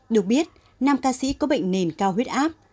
được biết nam ca sĩ có bệnh nền cao huyết áp